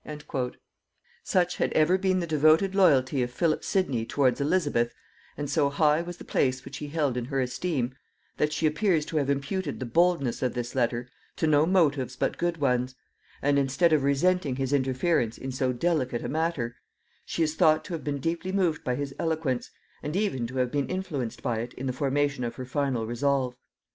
Such had ever been the devoted loyalty of Philip Sidney towards Elizabeth, and so high was the place which he held in her esteem, that she appears to have imputed the boldness of this letter to no motives but good ones; and instead of resenting his interference in so delicate a matter, she is thought to have been deeply moved by his eloquence, and even to have been influenced by it in the formation of her final resolve.